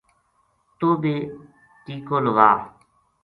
توہ بھی ٹیکو لوا